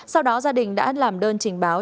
sau đó gia đình đã làm đơn trình báo